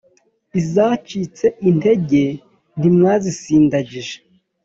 izacitse intege ntimwazisindagije